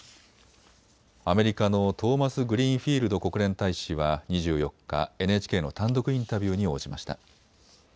アメリカのトーマスグリーンフィールド国連大使は２４日、ＮＨＫの単独インタビューに応じました。